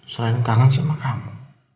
selain kangen sama kamu